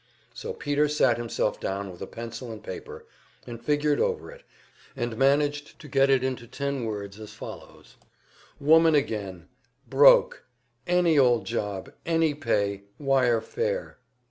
So Peter sat himself down with a pencil and paper, and figured over it, and managed to get it into ten words, as follows: "Woman again broke any old job any pay wire fare."